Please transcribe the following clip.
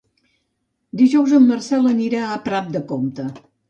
Dijous en Marcel anirà a Prat de Comte.